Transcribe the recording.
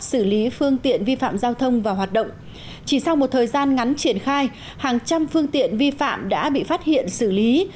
xử lý phương tiện vi phạm giao thông vào hoạt động chỉ sau một thời gian ngắn triển khai hàng trăm phương tiện vi phạm đã bị phát hiện xử lý